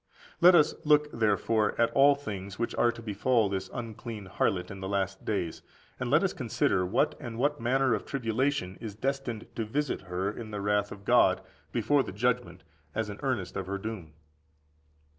Let us look, therefore, at the things which are to befall this unclean harlot in the last days; and (let us consider) what and what manner of tribulation is destined to visit her in the wrath of God before the judgment as an earnest of her doom.